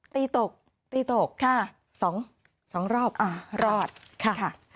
ตีตก๒รอบรอดค่ะ